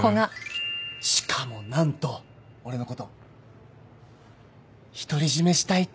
しかも何と俺のこと「独り占めしたい」って。